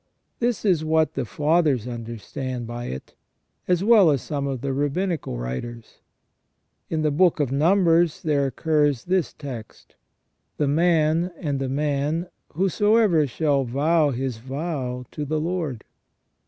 This is what the Fathers understand by it, as well as some of the Rabbinical writers. In the Book of Numbers there occurs this text :" The man and the man whosoever shall vow his vow to the Lord